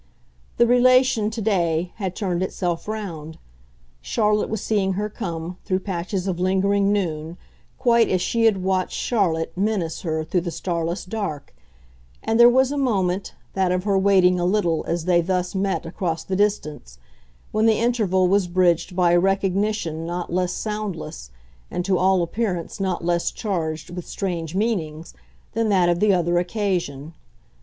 The relation, to day, had turned itself round; Charlotte was seeing her come, through patches of lingering noon, quite as she had watched Charlotte menace her through the starless dark; and there was a moment, that of her waiting a little as they thus met across the distance, when the interval was bridged by a recognition not less soundless, and to all appearance not less charged with strange meanings, than that of the other occasion.